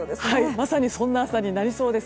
まさにそんな朝になりそうです。